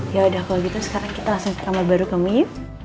yaudah kalau gitu sekarang kita langsung ke kamar baru kamu yuk